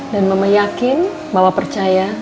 dan mama yakin mama percaya